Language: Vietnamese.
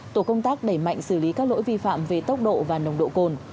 tổ công tác đẩy mạnh xử lý các lỗi vi phạm về tốc độ và nồng độ cồn